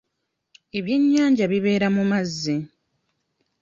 Ebyenyanja bibeera mu mazzi.